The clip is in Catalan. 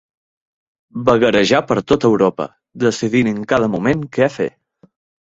Vagarejà per tot Europa, decidint en cada moment què fer.